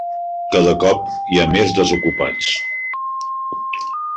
Cada cop hi ha més desocupats.